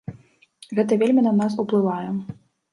Гэта вельмі на нас уплывае.